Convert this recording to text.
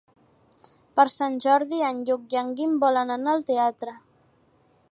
Per Sant Jordi en Lluc i en Guim volen anar al teatre.